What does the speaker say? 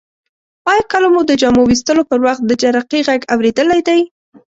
آیا کله مو د جامو ویستلو پر وخت د جرقې غږ اوریدلی دی؟